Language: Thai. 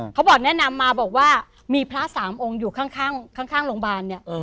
เขาบอกแนะนำมาบอกว่ามีพระสามองค์อยู่ข้างโรงพยาบาลเนี่ย